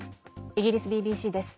イギリスＢＢＣです。